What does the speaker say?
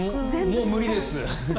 もう無理です。